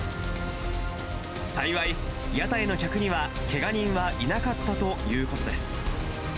幸い屋台の客にはけが人はいなかったということです。